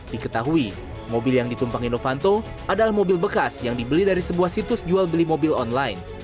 diketahui mobil yang ditumpangi novanto adalah mobil bekas yang dibeli dari sebuah situs jual beli mobil online